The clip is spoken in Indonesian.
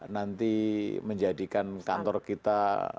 nanti menjadikan kantor kita